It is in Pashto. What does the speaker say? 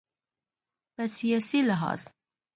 په سیاسي لحاظ